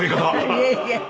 いえいえ。